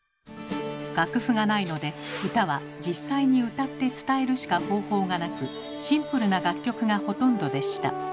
楽譜がないので歌は実際に歌って伝えるしか方法がなくシンプルな楽曲がほとんどでした。